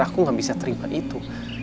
aku gak bisa terima itu